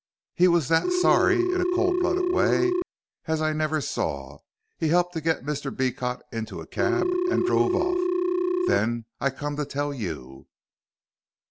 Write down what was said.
"He was that sorry, in a cold blooded way, as I never saw. He helped to git Mr. Beecot into a cab and druve off. Then I come to tell you."